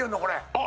あっ！